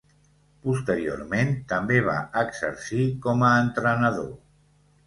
Posteriorment, també va exercir com a entrenador.